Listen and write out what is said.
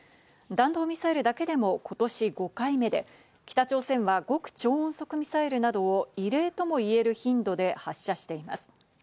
弾道ミサイルだけでも今年５回目で、北朝鮮は極超音速ミサイルなどを異例ともいえる頻度で発射しています。